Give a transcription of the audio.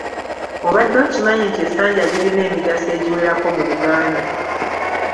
Obadde okimanyi nti essanja lirina emigaso egiwerako mu Buganda.